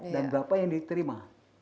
dan berapa yang diterima